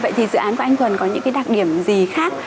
vậy thì dự án của anh thuần có những cái đặc điểm gì khác